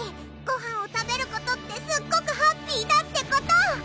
ごはんを食べることってすっごくハッピーだってこと！